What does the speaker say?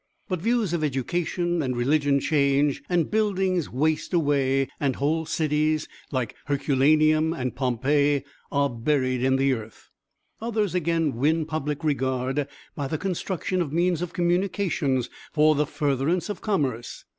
But views of education and religion change, buildings waste away, and whole cities, like Herculaneum and Pompeii, are buried in the earth. Others again win public regard by the construction of means of communication for the furtherance of commerce.